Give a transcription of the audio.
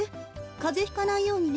かぜひかないようにね。